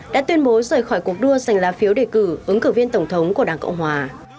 đã tuyên bố rời khỏi cuộc đua dành là phiếu đề cử ứng cử viên tổng thống của đảng cộng hòa